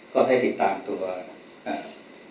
ก็ให้ติดตามตัวอ่า